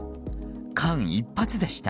間一髪でした。